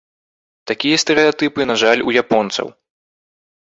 Такія стэрэатыпы, на жаль, у японцаў.